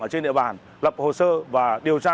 ở trên địa bàn lập hồ sơ và điều tra